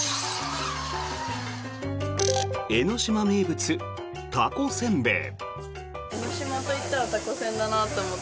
江の島名物たこせんべい。